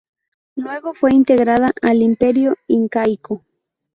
Luego fue integrada al imperio incaico.